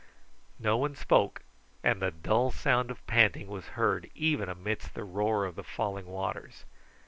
No one spoke, and the dull sound of panting was heard even amidst the roar of the falling waters.